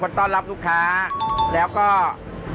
ปู่พญานาคี่อยู่ในกล่อง